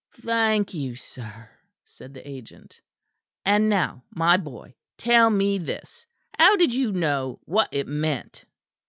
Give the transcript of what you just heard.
"Thank you, sir," said the agent. "And now, my boy, tell me this. How did you know what it meant?"